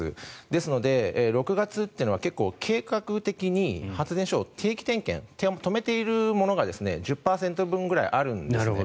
ですので、６月というのは結構、計画的に発電所を定期点検止めているものが１０％分くらいあるんですね。